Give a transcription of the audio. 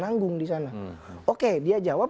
nanggung di sana oke dia jawab